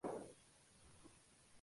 Vive en San Francisco, junto a su hija.